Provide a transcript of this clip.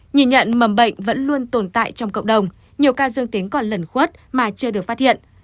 nhìn nhận mầm bệnh vẫn luôn tồn tại trong cộng đồng nhiều ca dương tính còn lẩn khuất mà chưa được phát hiện